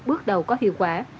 bước đầu có hiệu quả